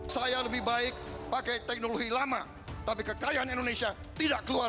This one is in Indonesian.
saya lebih baik pakai teknologi lama tapi kekayaan indonesia tidak keluar